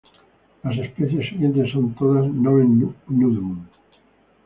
Las especies siguientes son todas "nomen nudum".